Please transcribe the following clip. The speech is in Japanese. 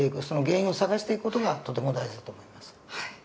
その原因を探していく事がとても大事だと思います。